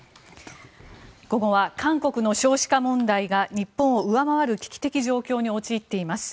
午後は韓国の少子化問題が日本を上回る危機的状況に陥っています。